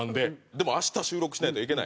「でも明日収録しないといけない」。